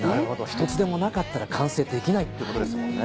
一つでもなかったら完成できないってことですもんね。